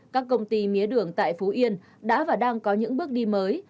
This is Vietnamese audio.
các công ty mía đường tại phú yên đã và đang có những bước đi mới